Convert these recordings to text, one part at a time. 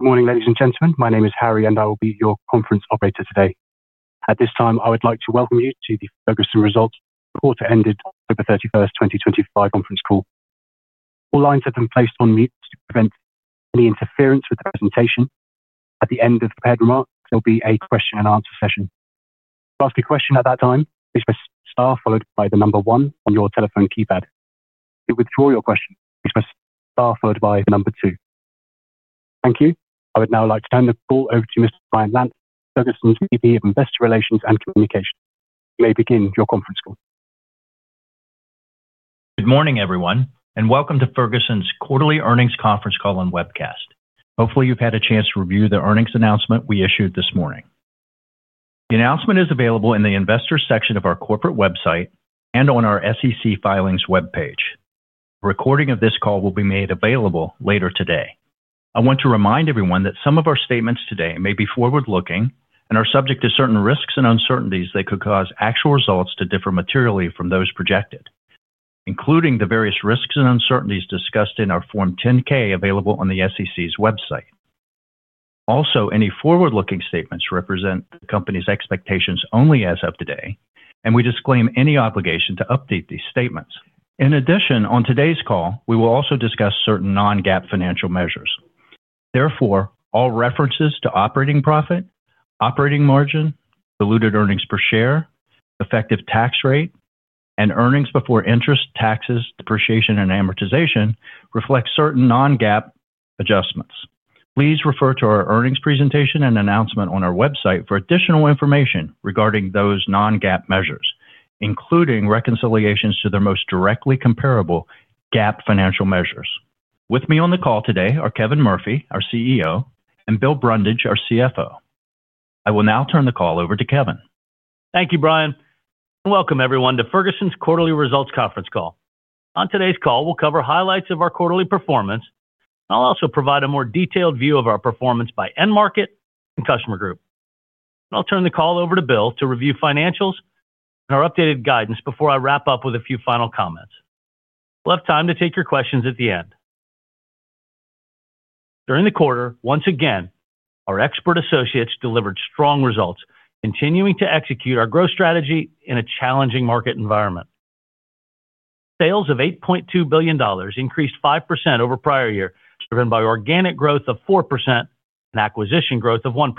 Good morning, ladies and gentlemen. My name is Harry, and I will be your conference operator today. At this time, I would like to welcome you to the Ferguson Results Quarter Ended October 31st, 2025 conference call. All lines have been placed on mute to prevent any interference with the presentation. At the end of the prepared remarks, there'll be a question and answer session. To ask a question at that time, please press star followed by the number one on your telephone keypad. To withdraw your question, please press star followed by the number two. Thank you. I would now like to turn the call over to Mr. Brian Lantz, Ferguson's VP of Investor Relations and Communications. You may begin your conference call. Good morning, everyone, and welcome to Ferguson's quarterly earnings conference call and webcast. Hopefully, you've had a chance to review the earnings announcement we issued this morning. The announcement is available in the investor section of our corporate website and on our SEC filings webpage. A recording of this call will be made available later today. I want to remind everyone that some of our statements today may be forward-looking and are subject to certain risks and uncertainties that could cause actual results to differ materially from those projected, including the various risks and uncertainties discussed in our Form 10-K available on the SEC's website. Also, any forward-looking statements represent the company's expectations only as of today, and we disclaim any obligation to update these statements. In addition, on today's call, we will also discuss certain non-GAAP financial measures. Therefore, all references to operating profit, operating margin, diluted earnings per share, effective tax rate, and earnings before interest, taxes, depreciation, and amortization reflect certain non-GAAP adjustments. Please refer to our earnings presentation and announcement on our website for additional information regarding those non-GAAP measures, including reconciliations to their most directly comparable GAAP financial measures. With me on the call today are Kevin Murphy, our CEO, and Bill Brundage, our CFO. I will now turn the call over to Kevin. Thank you, Brian. Welcome, everyone, to Ferguson's quarterly results conference call. On today's call, we'll cover highlights of our quarterly performance. I'll also provide a more detailed view of our performance by end market and customer group. I'll turn the call over to Bill to review financials and our updated guidance before I wrap up with a few final comments. We'll have time to take your questions at the end. During the quarter, once again, our expert associates delivered strong results, continuing to execute our growth strategy in a challenging market environment. Sales of $8.2 billion increased 5% over prior year, driven by organic growth of 4% and acquisition growth of 1%.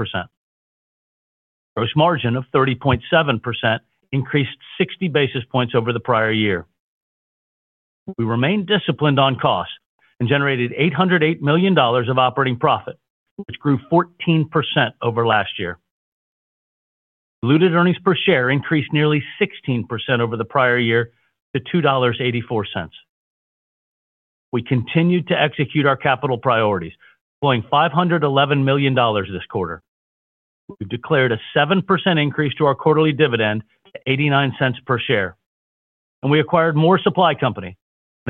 Gross margin of 30.7% increased 60 basis points over the prior year. We remained disciplined on cost and generated $808 million of operating profit, which grew 14% over last year. Diluted earnings per share increased nearly 16% over the prior year to $2.84. We continued to execute our capital priorities, deploying $511 million this quarter. We've declared a 7% increase to our quarterly dividend to $0.89 per share, and we acquired Moore Supply Company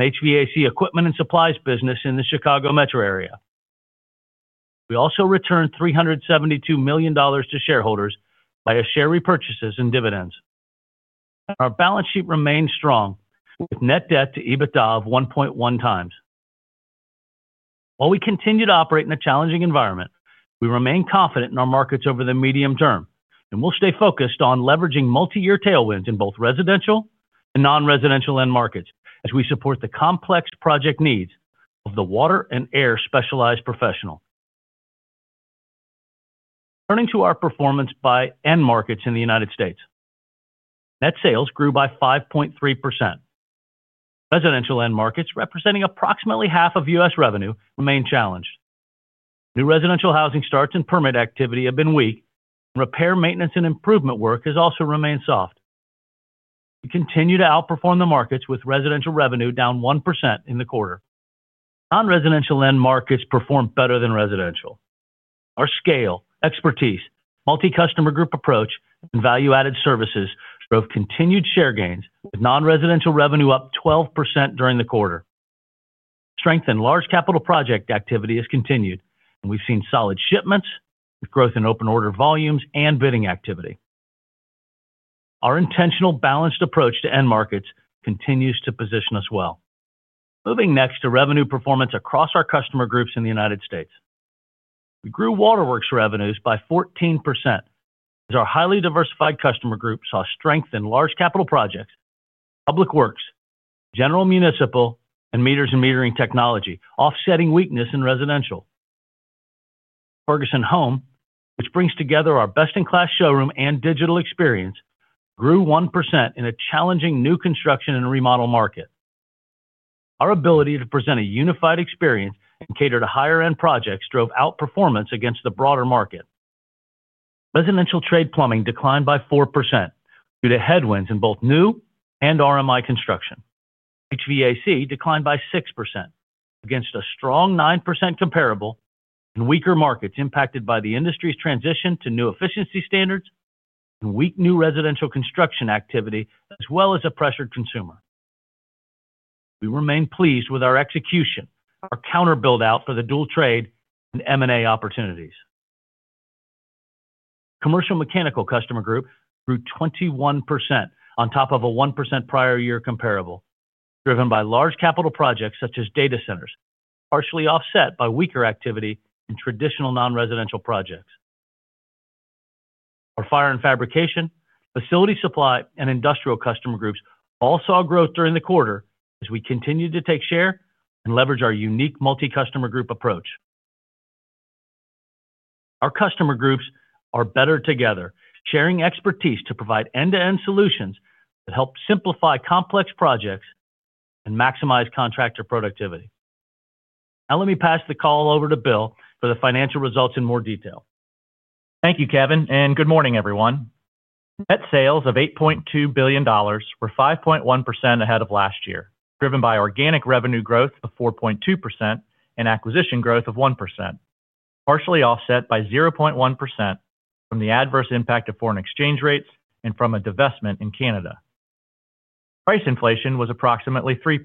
in our HVAC equipment and supplies business in the Chicago metro area. We also returned $372 million to shareholders via share repurchases and dividends. Our balance sheet remains strong, with net debt to EBITDA of 1.1 times. While we continue to operate in a challenging environment, we remain confident in our markets over the medium term, and we'll stay focused on leveraging multi-year tailwinds in both residential and non-residential end markets as we support the complex project needs of the water and air specialized professionals. Turning to our performance by end markets in the United States, net sales grew by 5.3%. Residential end markets, representing approximately half of U.S. revenue, remain challenged. New residential housing starts and permit activity have been weak, and repair, maintenance, and improvement work has also remained soft. We continue to outperform the markets, with residential revenue down 1% in the quarter. Non-residential end markets performed better than residential. Our scale, expertise, multi-customer group approach, and value-added services drove continued share gains, with non-residential revenue up 12% during the quarter. Strength in large capital project activity has continued, and we've seen solid shipments, growth in open order volumes, and bidding activity. Our intentional balanced approach to end markets continues to position us well. Moving next to revenue performance across our customer groups in the United States. We grew waterworks revenues by 14% as our highly diversified customer group saw strength in large capital projects, public works, general municipal, and meters and metering technology, offsetting weakness in residential. Ferguson Home, which brings together our best-in-class showroom and digital experience, grew 1% in a challenging new construction and remodel market. Our ability to present a unified experience and cater to higher-end projects drove outperformance against the broader market. Residential trade plumbing declined by 4% due to headwinds in both new and RMI construction. HVAC declined by 6% against a strong 9% comparable and weaker markets impacted by the industry's transition to new efficiency standards and weak new residential construction activity, as well as a pressured consumer. We remain pleased with our execution, our contractor build-out for the dual trade and M&A opportunities. Commercial mechanical customer group grew 21% on top of a 1% prior year comparable, driven by large capital projects such as data centers, partially offset by weaker activity in traditional non-residential projects. Our fire and fabrication, facility supply, and industrial customer groups all saw growth during the quarter as we continued to take share and leverage our unique multi-customer group approach. Our customer groups are better together, sharing expertise to provide end-to-end solutions that help simplify complex projects and maximize contractor productivity. Now let me pass the call over to Bill for the financial results in more detail. Thank you, Kevin, and good morning, everyone. Net sales of $8.2 billion were 5.1% ahead of last year, driven by organic revenue growth of 4.2% and acquisition growth of 1%, partially offset by 0.1% from the adverse impact of foreign exchange rates and from a divestment in Canada. Price inflation was approximately 3%,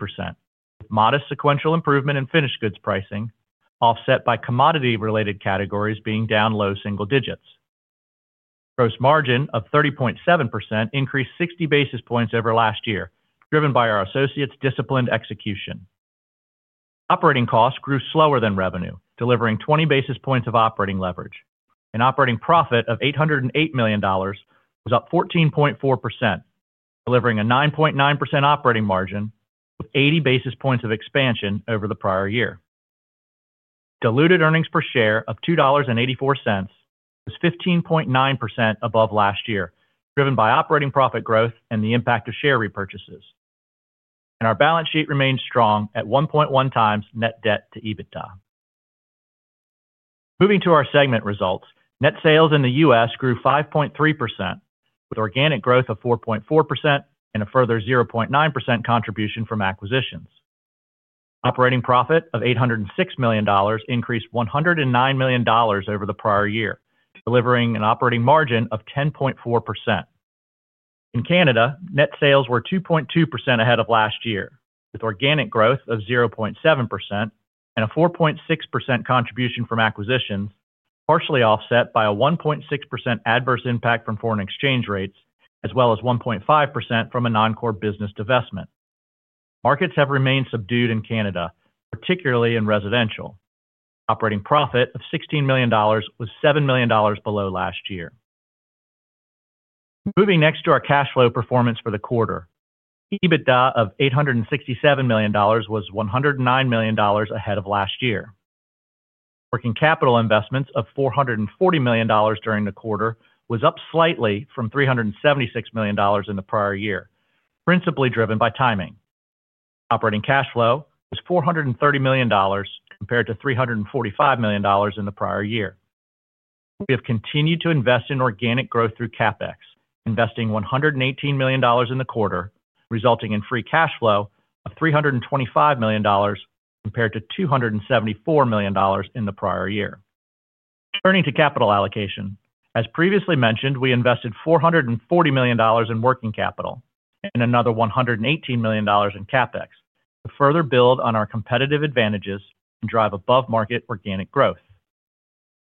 with modest sequential improvement in finished goods pricing, offset by commodity-related categories being down low single digits. Gross margin of 30.7% increased 60 basis points over last year, driven by our associates' disciplined execution. Operating costs grew slower than revenue, delivering 20 basis points of operating leverage. An operating profit of $808 million was up 14.4%, delivering a 9.9% operating margin with 80 basis points of expansion over the prior year. Diluted earnings per share of $2.84 was 15.9% above last year, driven by operating profit growth and the impact of share repurchases, and our balance sheet remained strong at 1.1 times net debt to EBITDA. Moving to our segment results, net sales in the U.S. grew 5.3%, with organic growth of 4.4% and a further 0.9% contribution from acquisitions. Operating profit of $806 million increased $109 million over the prior year, delivering an operating margin of 10.4%. In Canada, net sales were 2.2% ahead of last year, with organic growth of 0.7% and a 4.6% contribution from acquisitions, partially offset by a 1.6% adverse impact from foreign exchange rates, as well as 1.5% from a non-core business divestment. Markets have remained subdued in Canada, particularly in residential. Operating profit of $16 million was $7 million below last year. Moving next to our cash flow performance for the quarter, EBITDA of $867 million was $109 million ahead of last year. Working capital investments of $440 million during the quarter were up slightly from $376 million in the prior year, principally driven by timing. Operating cash flow was $430 million compared to $345 million in the prior year. We have continued to invest in organic growth through CapEx, investing $118 million in the quarter, resulting in free cash flow of $325 million compared to $274 million in the prior year. Turning to capital allocation, as previously mentioned, we invested $440 million in working capital and another $118 million in CapEx to further build on our competitive advantages and drive above-market organic growth.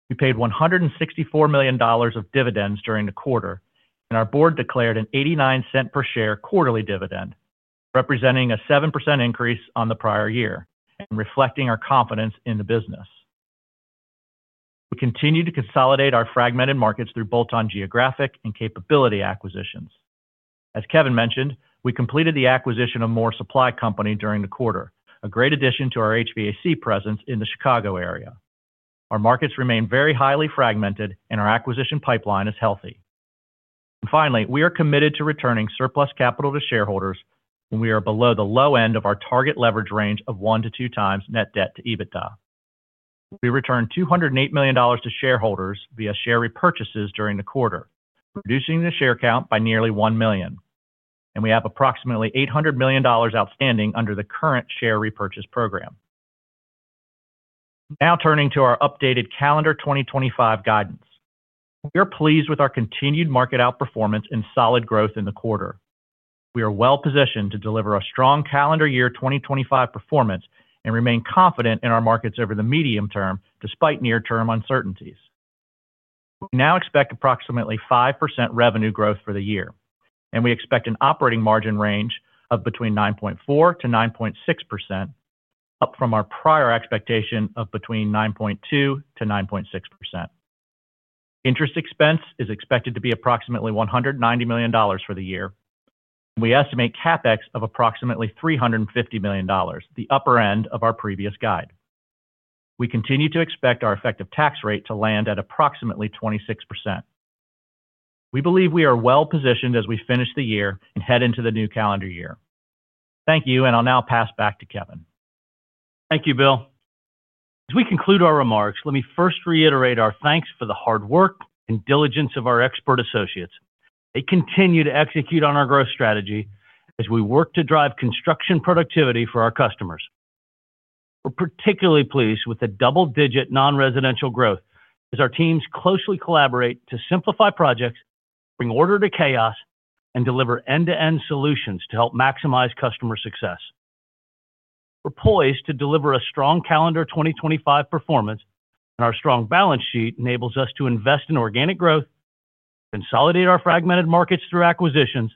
We paid $164 million of dividends during the quarter, and our board declared an $0.89 per share quarterly dividend, representing a 7% increase on the prior year and reflecting our confidence in the business. We continue to consolidate our fragmented markets through bolt-on geographic and capability acquisitions. As Kevin mentioned, we completed the acquisition of Moore Supply Company during the quarter, a great addition to our HVAC presence in the Chicago area. Our markets remain very highly fragmented, and our acquisition pipeline is healthy. And finally, we are committed to returning surplus capital to shareholders when we are below the low end of our target leverage range of one to two times net debt to EBITDA. We returned $208 million to shareholders via share repurchases during the quarter, reducing the share count by nearly 1 million. And we have approximately $800 million outstanding under the current share repurchase program. Now turning to our updated calendar 2025 guidance, we are pleased with our continued market outperformance and solid growth in the quarter. We are well-positioned to deliver a strong calendar year 2025 performance and remain confident in our markets over the medium term despite near-term uncertainties. We now expect approximately 5% revenue growth for the year, and we expect an operating margin range of between 9.4%-9.6%, up from our prior expectation of between 9.2%-9.6%. Interest expense is expected to be approximately $190 million for the year, and we estimate CapEx of approximately $350 million, the upper end of our previous guide. We continue to expect our effective tax rate to land at approximately 26%. We believe we are well-positioned as we finish the year and head into the new calendar year. Thank you, and I'll now pass back to Kevin. Thank you, Bill. As we conclude our remarks, let me first reiterate our thanks for the hard work and diligence of our expert associates. They continue to execute on our growth strategy as we work to drive construction productivity for our customers. We're particularly pleased with the double-digit non-residential growth as our teams closely collaborate to simplify projects, bring order to chaos, and deliver end-to-end solutions to help maximize customer success. We're poised to deliver a strong calendar 2025 performance, and our strong balance sheet enables us to invest in organic growth, consolidate our fragmented markets through acquisitions,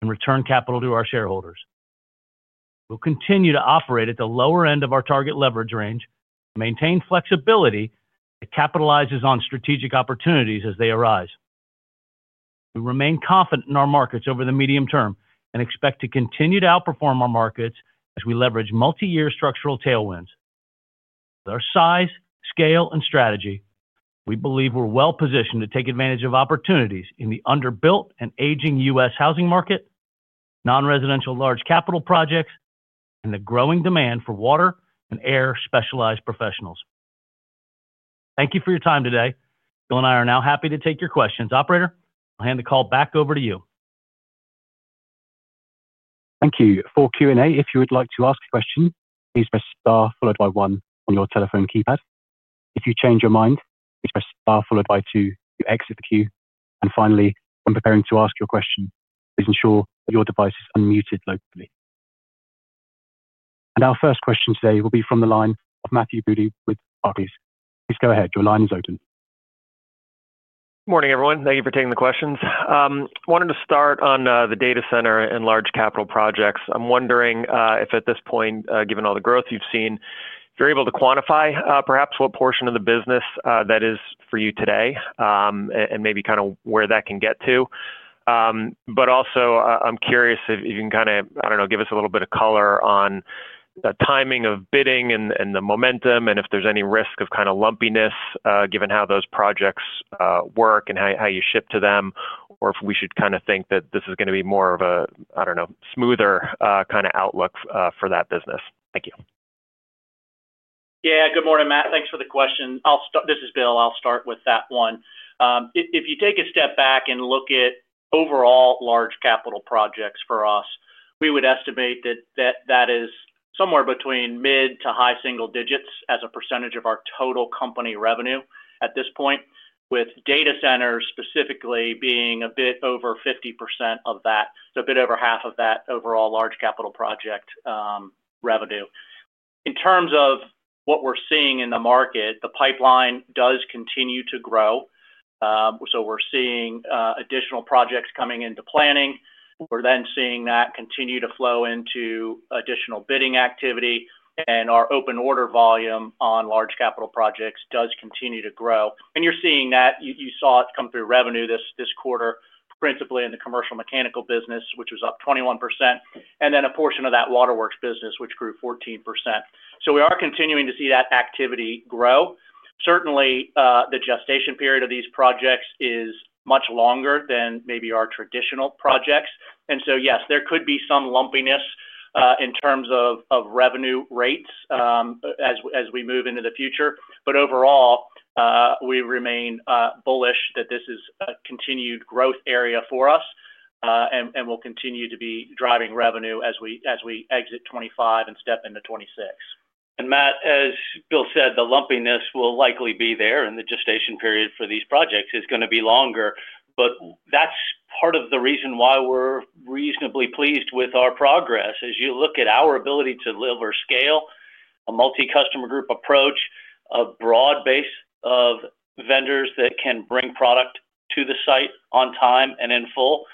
and return capital to our shareholders. We'll continue to operate at the lower end of our target leverage range and maintain flexibility that capitalizes on strategic opportunities as they arise. We remain confident in our markets over the medium term and expect to continue to outperform our markets as we leverage multi-year structural tailwinds. With our size, scale, and strategy, we believe we're well-positioned to take advantage of opportunities in the underbuilt and aging U.S. housing market, non-residential large capital projects, and the growing demand for water and air specialized professionals. Thank you for your time today. Bill and I are now happy to take your questions. Operator, I'll hand the call back over to you. Thank you. For Q&A, if you would like to ask a question, please press star followed by one on your telephone keypad. If you change your mind, please press star followed by two to exit the queue. And finally, when preparing to ask your question, please ensure that your device is unmuted locally. And our first question today will be from the line of Matthew Bouley with Barclays. Please go ahead. Your line is open. Good morning, everyone. Thank you for taking the questions. I wanted to start on the data center and large capital projects. I'm wondering if at this point, given all the growth you've seen, you're able to quantify perhaps what portion of the business that is for you today and maybe kind of where that can get to. But also, I'm curious if you can kind of, I don't know, give us a little bit of color on the timing of bidding and the momentum and if there's any risk of kind of lumpiness given how those projects work and how you ship to them, or if we should kind of think that this is going to be more of a, I don't know, smoother kind of outlook for that business. Thank you. Yeah, good morning, Matt. Thanks for the question. This is Bill. I'll start with that one. If you take a step back and look at overall large capital projects for us, we would estimate that that is somewhere between mid to high single digits as a percentage of our total company revenue at this point, with data centers specifically being a bit over 50% of that, so a bit over half of that overall large capital project revenue. In terms of what we're seeing in the market, the pipeline does continue to grow. So we're seeing additional projects coming into planning. We're then seeing that continue to flow into additional bidding activity, and our open order volume on large capital projects does continue to grow, and you're seeing that. You saw it come through revenue this quarter, principally in the commercial mechanical business, which was up 21%, and then a portion of that waterworks business, which grew 14%, so we are continuing to see that activity grow. Certainly, the gestation period of these projects is much longer than maybe our traditional projects. And so, yes, there could be some lumpiness in terms of revenue rates as we move into the future. But overall, we remain bullish that this is a continued growth area for us and will continue to be driving revenue as we exit 2025 and step into 2026. And Matt, as Bill said, the lumpiness will likely be there and the gestation period for these projects is going to be longer. But that's part of the reason why we're reasonably pleased with our progress. As you look at our ability to deliver scale, a multi-customer group approach, a broad base of vendors that can bring product to the site on time and in full,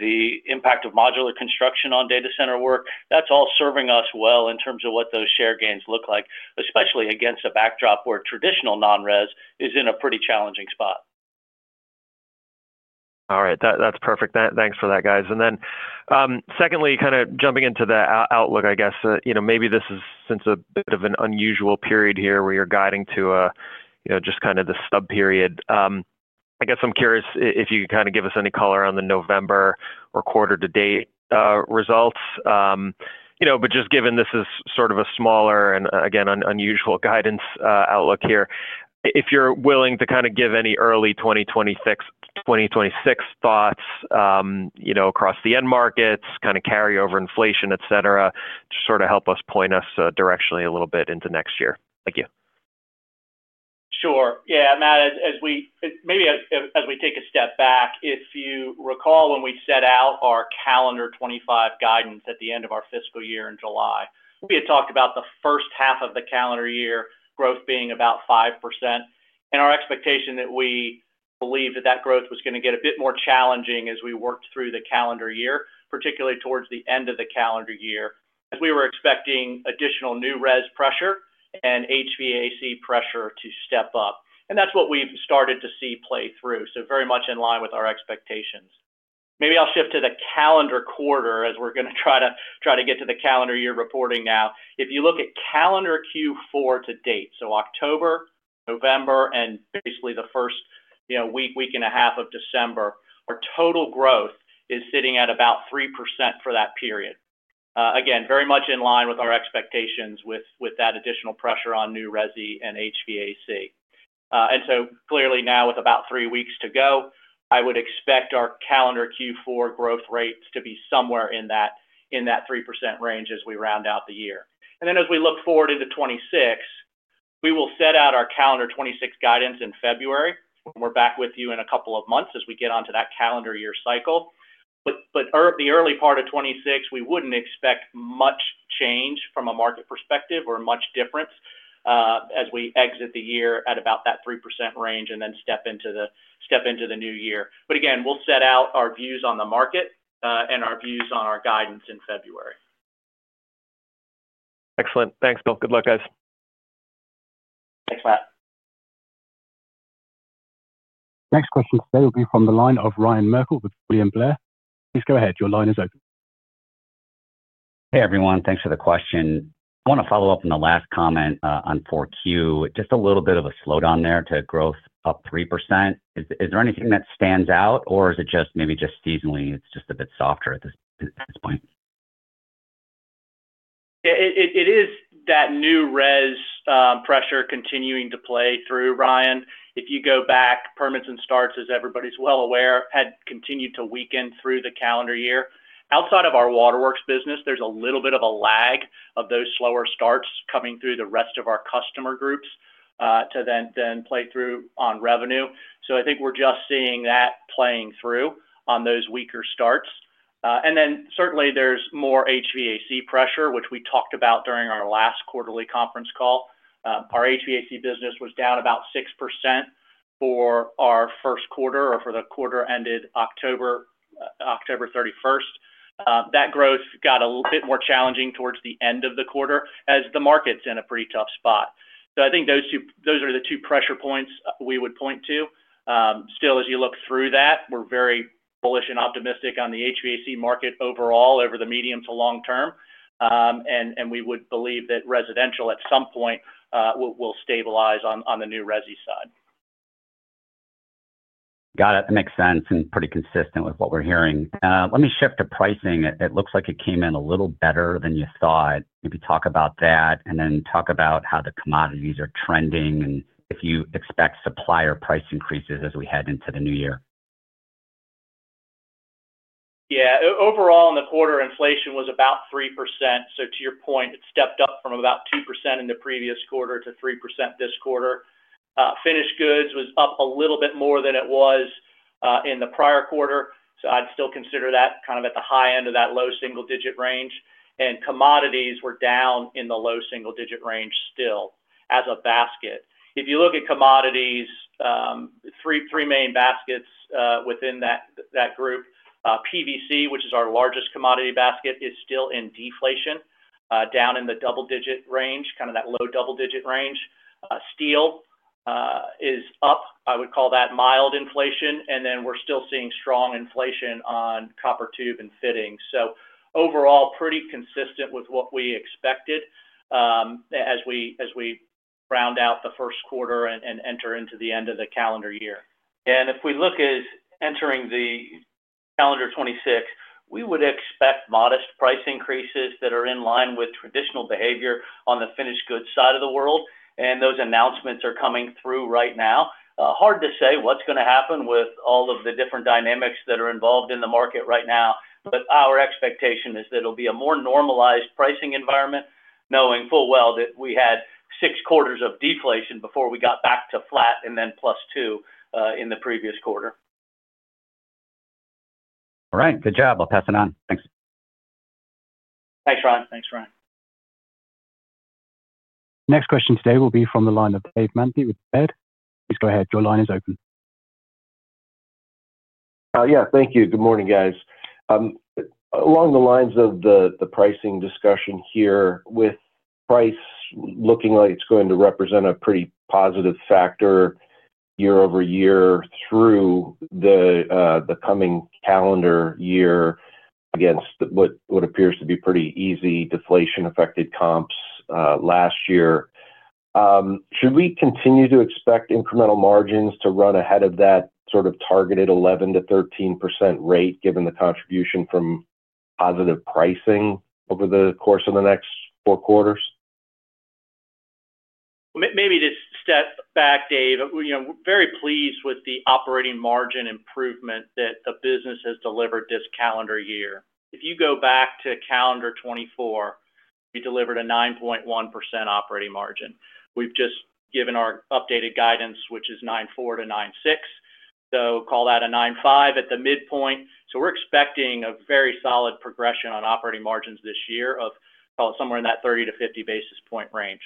the impact of modular construction on data center work, that's all serving us well in terms of what those share gains look like, especially against a backdrop where traditional non-res is in a pretty challenging spot. All right. That's perfect. Thanks for that, guys. And then secondly, kind of jumping into the outlook, I guess, maybe this is, since it's a bit of an unusual period here where you're guiding to just kind of the sub-period. I guess I'm curious if you could kind of give us any color on the November or quarter-to-date results. But just given this is sort of a smaller and, again, unusual guidance outlook here, if you're willing to kind of give any early 2026 thoughts across the end markets, kind of carry over inflation, etc., to sort of help us point us directionally a little bit into next year. Thank you. Sure. Yeah, Matt, maybe as we take a step back, if you recall when we set out our calendar 2025 guidance at the end of our fiscal year in July, we had talked about the first half of the calendar year growth being about 5%, and our expectation that we believed that that growth was going to get a bit more challenging as we worked through the calendar year, particularly towards the end of the calendar year, as we were expecting additional new res pressure and HVAC pressure to step up, and that's what we've started to see play through, so very much in line with our expectations. Maybe I'll shift to the calendar quarter as we're going to try to get to the calendar year reporting now. If you look at calendar Q4 to date, so October, November, and basically the first week, week and a half of December, our total growth is sitting at about 3% for that period. Again, very much in line with our expectations with that additional pressure on new resi and HVAC. And so clearly now, with about three weeks to go, I would expect our calendar Q4 growth rates to be somewhere in that 3% range as we round out the year. And then as we look forward into 2026, we will set out our calendar 2026 guidance in February. We're back with you in a couple of months as we get onto that calendar year cycle. But the early part of 2026, we wouldn't expect much change from a market perspective or much difference as we exit the year at about that 3% range and then step into the new year. But again, we'll set out our views on the market and our views on our guidance in February. Excellent. Thanks, Bill. Good luck, guys. Thanks, Matt. Next question today will be from the line of Ryan Merkel with William Blair. Please go ahead. Your line is open. Hey, everyone. Thanks for the question. I want to follow up on the last comment on 4Q. Just a little bit of a slowdown there to growth up 3%. Is there anything that stands out, or is it just maybe just seasonally it's just a bit softer at this point? Yeah, it is that new res pressure continuing to play through, Ryan. If you go back, permits and starts, as everybody's well aware, had continued to weaken through the calendar year. Outside of our waterworks business, there's a little bit of a lag of those slower starts coming through the rest of our customer groups to then play through on revenue. So I think we're just seeing that playing through on those weaker starts. And then certainly, there's more HVAC pressure, which we talked about during our last quarterly conference call. Our HVAC business was down about 6% for our first quarter or for the quarter ended October 31st. That growth got a bit more challenging towards the end of the quarter as the market's in a pretty tough spot. So I think those are the two pressure points we would point to. Still, as you look through that, we're very bullish and optimistic on the HVAC market overall over the medium to long term, and we would believe that residential at some point will stabilize on the new resi side. Got it. That makes sense and pretty consistent with what we're hearing. Let me shift to pricing. It looks like it came in a little better than you thought. Maybe talk about that and then talk about how the commodities are trending and if you expect supplier price increases as we head into the new year. Yeah. Overall, in the quarter, inflation was about 3%. So to your point, it stepped up from about 2% in the previous quarter to 3% this quarter. Finished goods was up a little bit more than it was in the prior quarter. So I'd still consider that kind of at the high end of that low single-digit range. And commodities were down in the low single-digit range still as a basket. If you look at commodities, three main baskets within that group, PVC, which is our largest commodity basket, is still in deflation, down in the double-digit range, kind of that low double-digit range. Steel is up. I would call that mild inflation. And then we're still seeing strong inflation on copper tube and fittings. So overall, pretty consistent with what we expected as we round out the first quarter and enter into the end of the calendar year. If we look at entering the calendar 2026, we would expect modest price increases that are in line with traditional behavior on the finished goods side of the world. Those announcements are coming through right now. Hard to say what's going to happen with all of the different dynamics that are involved in the market right now. Our expectation is that it'll be a more normalized pricing environment, knowing full well that we had six quarters of deflation before we got back to flat and then plus two in the previous quarter. All right. Good job. I'll pass it on. Thanks. Thanks, Ryan. Thanks, Ryan. Next question today will be from the line of David Manthey with Baird. Please go ahead. Your line is open. Yeah. Thank you. Good morning, guys. Along the lines of the pricing discussion here, with price looking like it's going to represent a pretty positive factor year over year through the coming calendar year against what appears to be pretty easy deflation-affected comps last year. Should we continue to expect incremental margins to run ahead of that sort of targeted 11%-13% rate given the contribution from positive pricing over the course of the next four quarters? Maybe to step back, Dave, we're very pleased with the operating margin improvement that the business has delivered this calendar year. If you go back to calendar 2024, we delivered a 9.1% operating margin. We've just given our updated guidance, which is 9.4%-9.6%. So call that a 9.5% at the midpoint. So we're expecting a very solid progression on operating margins this year of somewhere in that 30-50 basis points range.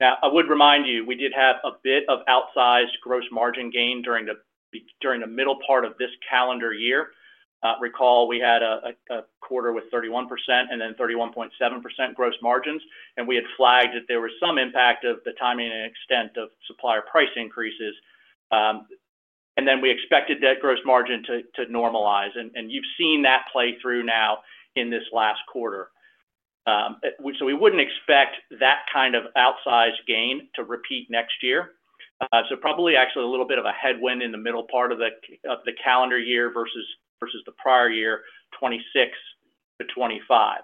Now, I would remind you, we did have a bit of outsized gross margin gain during the middle part of this calendar year. Recall, we had a quarter with 31% and then 31.7% gross margins. And we had flagged that there was some impact of the timing and extent of supplier price increases. And then we expected that gross margin to normalize. And you've seen that play through now in this last quarter. So we wouldn't expect that kind of outsized gain to repeat next year. So probably actually a little bit of a headwind in the middle part of the calendar year versus the prior year, 2026 to 2025.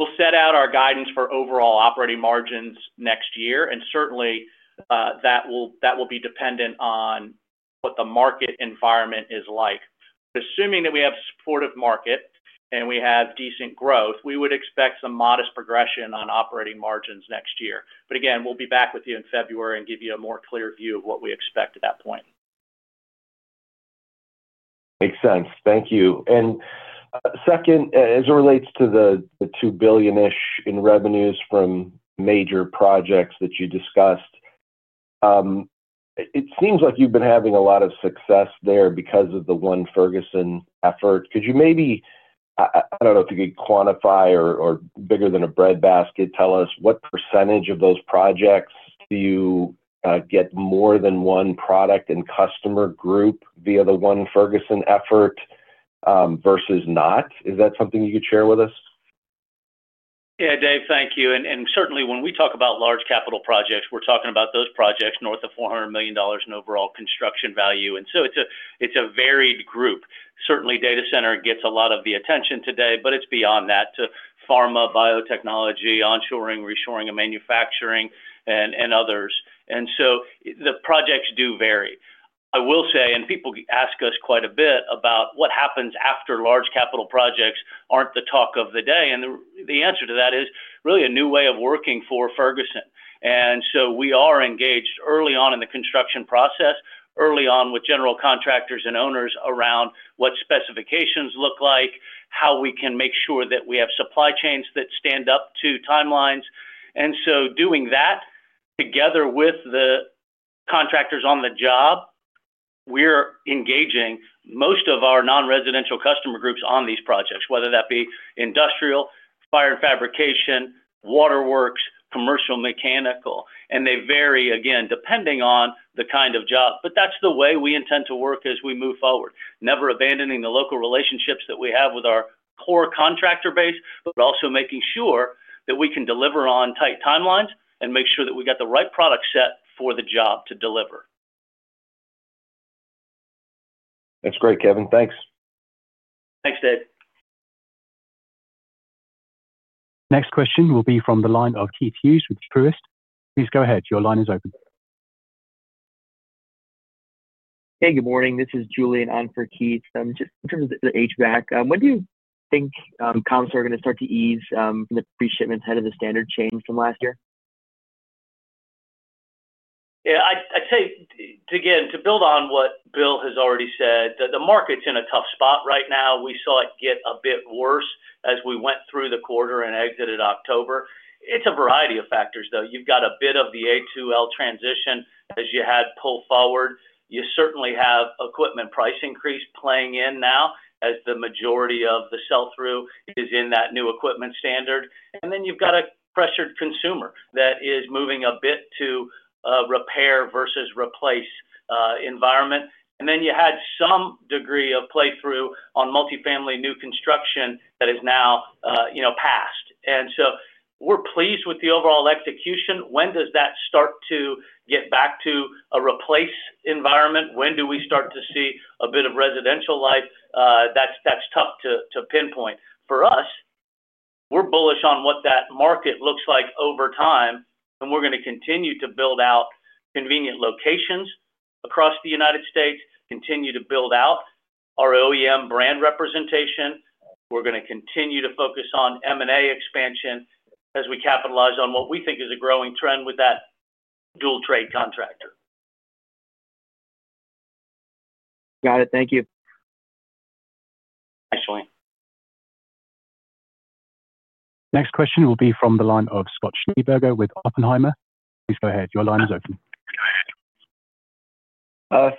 We'll set out our guidance for overall operating margins next year. And certainly, that will be dependent on what the market environment is like. But assuming that we have a supportive market and we have decent growth, we would expect some modest progression on operating margins next year. But again, we'll be back with you in February and give you a more clear view of what we expect at that point. Makes sense. Thank you. And second, as it relates to the $2 billion-ish in revenues from major projects that you discussed, it seems like you've been having a lot of success there because of the one Ferguson effort. Could you maybe, I don't know if you could quantify or bigger than a breadbox, tell us what percentage of those projects do you get more than one product and customer group via the one Ferguson effort versus not? Is that something you could share with us? Yeah, Dave, thank you. And certainly, when we talk about large capital projects, we're talking about those projects north of $400 million in overall construction value. And so it's a varied group. Certainly, data center gets a lot of the attention today, but it's beyond that to pharma, biotechnology, onshoring, reshoring, and manufacturing, and others. And so the projects do vary. I will say, and people ask us quite a bit about what happens after large capital projects aren't the talk of the day. And the answer to that is really a new way of working for Ferguson. And so we are engaged early on in the construction process, early on with general contractors and owners around what specifications look like, how we can make sure that we have supply chains that stand up to timelines. And so, doing that together with the contractors on the job, we're engaging most of our non-residential customer groups on these projects, whether that be industrial, fire and fabrication, waterworks, commercial, mechanical. And they vary, again, depending on the kind of job. But that's the way we intend to work as we move forward, never abandoning the local relationships that we have with our core contractor base, but also making sure that we can deliver on tight timelines and make sure that we got the right product set for the job to deliver. That's great, Kevin. Thanks. Thanks, Dave. Next question will be from the line of Keith Hughes with Truist. Please go ahead. Your line is open. Hey, good morning. This is Julie Ann on for Keith. Just in terms of the HVAC, when do you think comps are going to start to ease from the pre-shipment ahead of the standard change from last year? Yeah. I'd say, again, to build on what Bill has already said, the market's in a tough spot right now. We saw it get a bit worse as we went through the quarter and exited October. It's a variety of factors, though. You've got a bit of the A2L transition as you had pull forward. You certainly have equipment price increase playing in now as the majority of the sell-through is in that new equipment standard. And then you've got a pressured consumer that is moving a bit to repair versus replace environment. And then you had some degree of playthrough on multifamily new construction that is now past. And so we're pleased with the overall execution. When does that start to get back to a replace environment? When do we start to see a bit of residential [light]? That's tough to pinpoint. For us, we're bullish on what that market looks like over time, and we're going to continue to build out convenient locations across the United States, continue to build out our OEM brand representation. We're going to continue to focus on M&A expansion as we capitalize on what we think is a growing trend with that dual-trade contractor. Got it. Thank you. Thanks. Next question will be from the line of Scott Schneeberger with Oppenheimer. Please go ahead. Your line is open.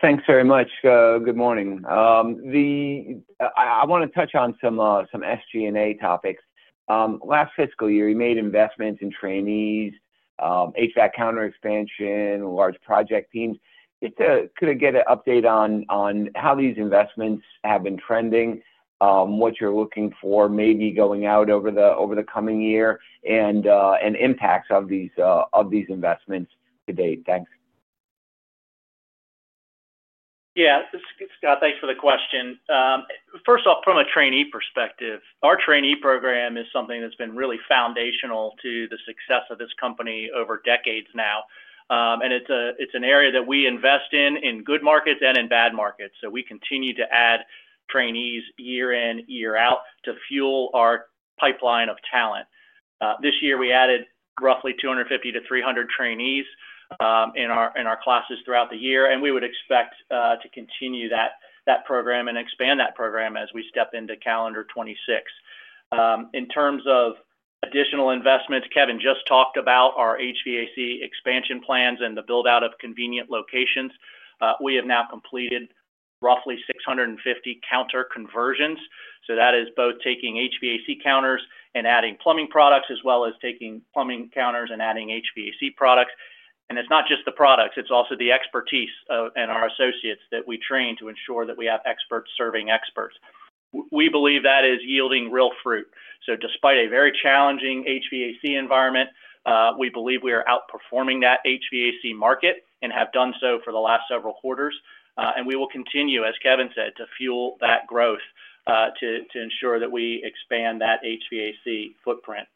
Thanks very much. Good morning. I want to touch on some SG&A topics. Last fiscal year, you made investments in trainees, HVAC counter expansion, large project teams. Could I get an update on how these investments have been trending, what you're looking for, maybe going out over the coming year, and impacts of these investments to date? Thanks. Yeah. Scott, thanks for the question. First off, from a trainee perspective, our trainee program is something that's been really foundational to the success of this company over decades now, and it's an area that we invest in, in good markets and in bad markets, so we continue to add trainees year in, year out to fuel our pipeline of talent. This year, we added roughly 250-300 trainees in our classes throughout the year, and we would expect to continue that program and expand that program as we step into calendar 2026. In terms of additional investments, Kevin just talked about our HVAC expansion plans and the build-out of convenient locations. We have now completed roughly 650 counter conversions, so that is both taking HVAC counters and adding plumbing products, as well as taking plumbing counters and adding HVAC products, and it's not just the products. It's also the expertise and our associates that we train to ensure that we have experts serving experts. We believe that is yielding real fruit, so despite a very challenging HVAC environment, we believe we are outperforming that HVAC market and have done so for the last several quarters, and we will continue, as Kevin said, to fuel that growth to ensure that we expand that HVAC footprint.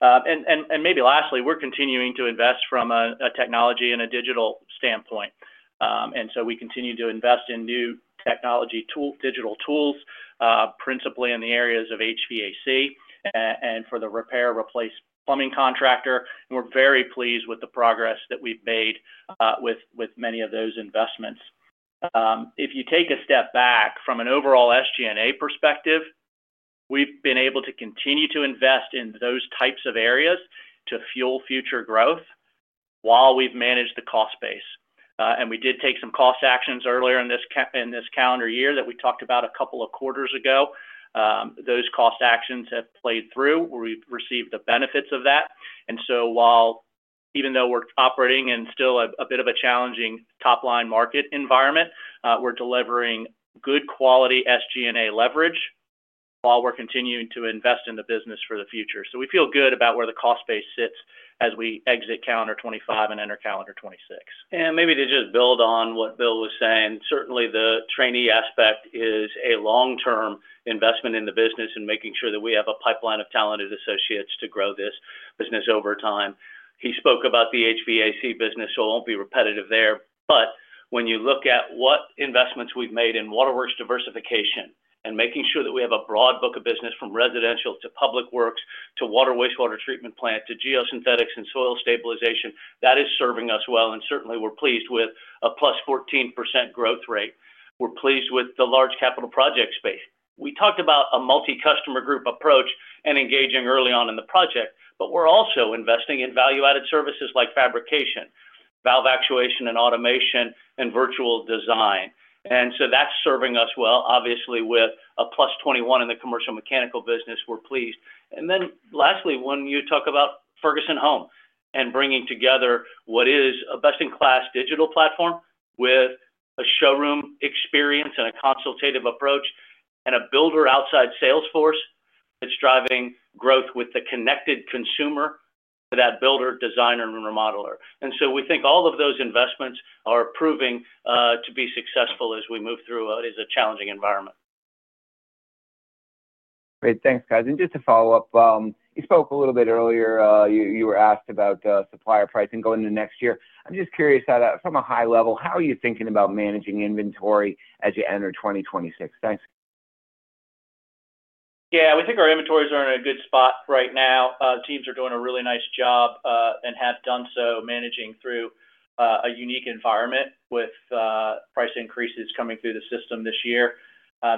And maybe lastly, we're continuing to invest from a technology and a digital standpoint, and so we continue to invest in new technology digital tools, principally in the areas of HVAC and for the repair, replace plumbing contractor. And we're very pleased with the progress that we've made with many of those investments. If you take a step back from an overall SG&A perspective, we've been able to continue to invest in those types of areas to fuel future growth while we've managed the cost base. And we did take some cost actions earlier in this calendar year that we talked about a couple of quarters ago. Those cost actions have played through. We've received the benefits of that. And so even though we're operating in still a bit of a challenging top-line market environment, we're delivering good quality SG&A leverage while we're continuing to invest in the business for the future. So we feel good about where the cost base sits as we exit calendar 2025 and enter calendar 2026. And maybe to just build on what Bill was saying, certainly the trainee aspect is a long-term investment in the business and making sure that we have a pipeline of talented associates to grow this business over time. He spoke about the HVAC business, so I won't be repetitive there. But when you look at what investments we've made in waterworks diversification and making sure that we have a broad book of business from residential to public works to water wastewater treatment plant to geosynthetics and soil stabilization, that is serving us well. And certainly, we're pleased with a +14% growth rate. We're pleased with the large capital project space. We talked about a multi-customer group approach and engaging early on in the project, but we're also investing in value-added services like fabrication, valve actuation and automation, and virtual design. And so that's serving us well. Obviously, with a plus 21 in the commercial mechanical business, we're pleased. And then lastly, when you talk about Ferguson Home and bringing together what is a best-in-class digital platform with a showroom experience and a consultative approach and a builder outside salesforce that's driving growth with the connected consumer to that builder, designer, and remodeler. And so we think all of those investments are proving to be successful as we move through what is a challenging environment. Great. Thanks, guys. And just to follow up, you spoke a little bit earlier. You were asked about supplier pricing going into next year. I'm just curious from a high level, how are you thinking about managing inventory as you enter 2026? Thanks. Yeah. We think our inventories are in a good spot right now. Teams are doing a really nice job and have done so managing through a unique environment with price increases coming through the system this year.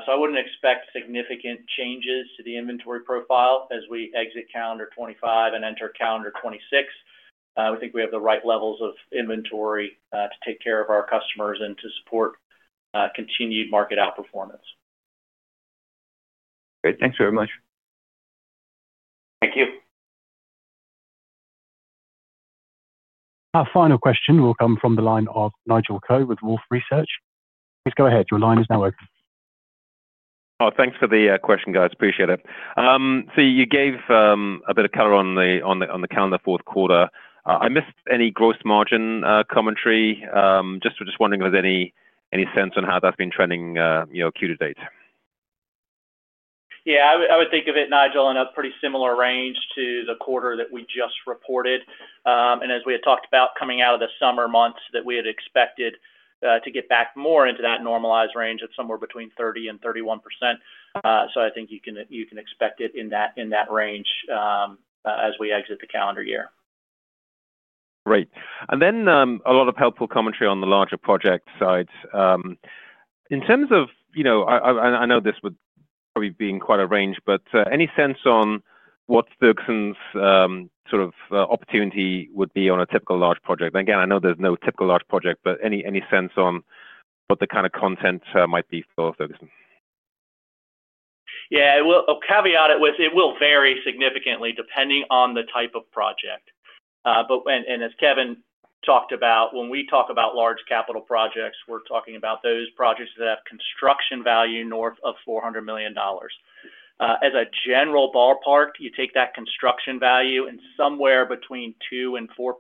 So I wouldn't expect significant changes to the inventory profile as we exit calendar 2025 and enter calendar 2026. We think we have the right levels of inventory to take care of our customers and to support continued market outperformance. Great. Thanks very much. Thank you. Our final question will come from the line of Nigel Coe with Wolfe Research. Please go ahead. Your line is now open. Oh, thanks for the question, guys. Appreciate it. So you gave a bit of color on the calendar fourth quarter. I missed any gross margin commentary. Just wondering if there's any sense on how that's been trending Q to date. Yeah. I would think of it, Nigel, in a pretty similar range to the quarter that we just reported. And as we had talked about coming out of the summer months, that we had expected to get back more into that normalized range of somewhere between 30% and 31%. So I think you can expect it in that range as we exit the calendar year. Great. And then a lot of helpful commentary on the larger project side. In terms of, I know this would probably be in quite a range, but any sense on what Ferguson's sort of opportunity would be on a typical large project? Again, I know there's no typical large project, but any sense on what the kind of content might be for Ferguson? Yeah. I will caveat it with it will vary significantly depending on the type of project. And as Kevin talked about, when we talk about large capital projects, we're talking about those projects that have construction value north of $400 million. As a general ballpark, you take that construction value, and somewhere between 2% and 4%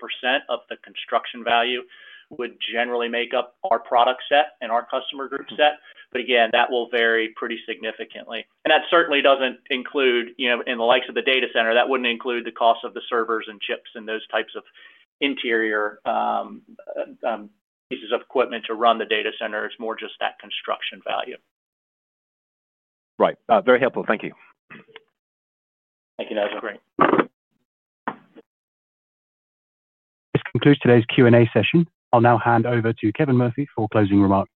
of the construction value would generally make up our product set and our customer group set. But again, that will vary pretty significantly. And that certainly doesn't include in the likes of the data center. That wouldn't include the cost of the servers and chips and those types of interior pieces of equipment to run the data center. It's more just that construction value. Right. Very helpful. Thank you. Thank you, Nigel. This concludes today's Q&A session. I'll now hand over to Kevin Murphy for closing remarks.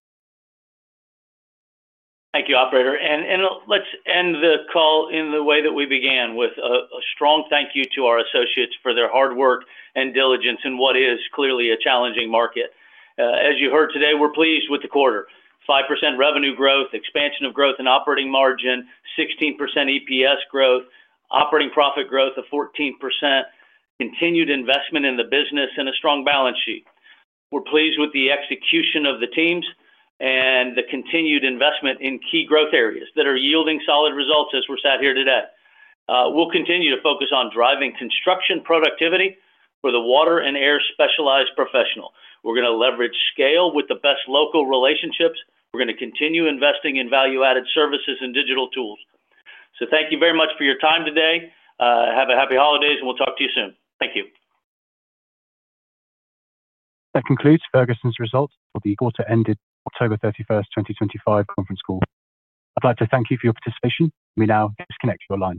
Thank you, Operator. And let's end the call in the way that we began with a strong thank you to our associates for their hard work and diligence in what is clearly a challenging market. As you heard today, we're pleased with the quarter: 5% revenue growth, expansion of growth in operating margin, 16% EPS growth, operating profit growth of 14%, continued investment in the business, and a strong balance sheet. We're pleased with the execution of the teams and the continued investment in key growth areas that are yielding solid results as we're sat here today. We'll continue to focus on driving construction productivity for the water and air specialized professional. We're going to leverage scale with the best local relationships. We're going to continue investing in value-added services and digital tools. So thank you very much for your time today. Have a happy holidays, and we'll talk to you soon. Thank you. That concludes Ferguson's results for the quarter-ended October 31st, 2025 conference call. I'd like to thank you for your participation. We now disconnect your line.